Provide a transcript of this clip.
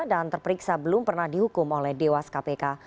terperiksa belum pernah dihukum oleh dewas kpk